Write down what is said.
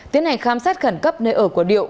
tiến hành khám xét khẩn cấp nơi ở của điệu